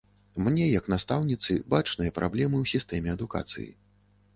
Мне, як настаўніцы, бачныя праблемы ў сістэме адукацыі.